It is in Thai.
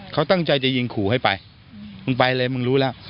เขาตั้งใจจะยิงขู่ให้ไปมึงไปเลยมึงรู้แล้ว